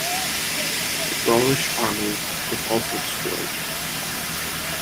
The Gaulish army was also destroyed.